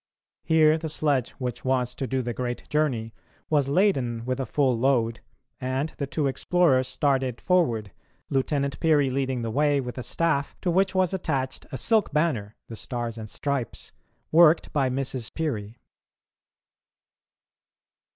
Here the sledge which was to do the great journey was laden with a full load, and the two explorers started forward, Lieutenant Peary leading the way with a staff to which was attached a silk banner the Stars and Stripes worked by Mrs. Peary.